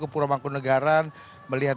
ke purwomangkunagaran melihat